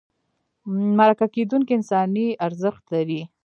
مرکه کېدونکی انساني ارزښت لري.